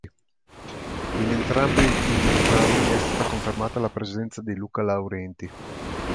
In entrambi i programmi è stata confermata la presenza di Luca Laurenti.